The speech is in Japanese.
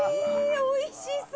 おいしそう！